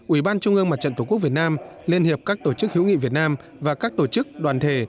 ủy ban trung ương mặt trận tổ quốc việt nam liên hiệp các tổ chức hữu nghị việt nam và các tổ chức đoàn thể